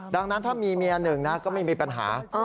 ดังนั้นถ้ามีเมียหนึ่งนะก็ไม่มีปัญหา